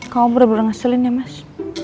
kamu bener bener ngeselin ya mas